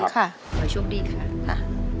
ขอให้ช่วงดีค่ะ